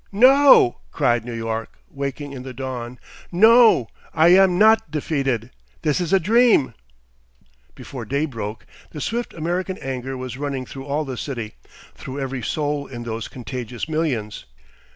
"No!" cried New York, waking in the dawn. "No! I am not defeated. This is a dream." Before day broke the swift American anger was running through all the city, through every soul in those contagious millions.